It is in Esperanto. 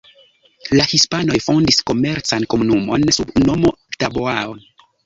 La hispanoj fondis komercan komunumon sub nomo Taboan.